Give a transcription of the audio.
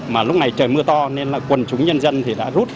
mà lúc này trời mưa to nên là quần chúng nhân dân thì đã rút